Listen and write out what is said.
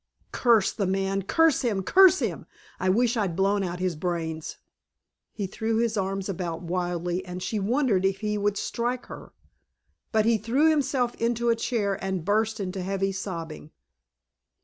"Curse the man! Curse him! Curse him! I wish I'd blown out his brains!" He threw his arms about wildly and she wondered if he would strike her. But he threw himself into a chair and burst into heavy sobbing.